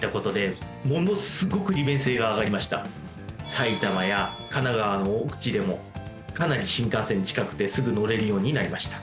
埼玉や神奈川の奥地でもかなり新幹線に近くてすぐ乗れるようになりました。